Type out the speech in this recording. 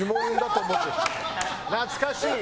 「懐かしい」。